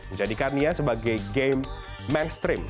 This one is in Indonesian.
menjadikannya sebagai game mainstream